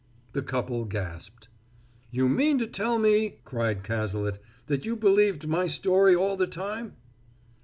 The couple gasped. "You mean to tell me," cried Cazalet, "that you believed my story all the time?"